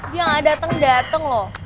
dia gak dateng dateng loh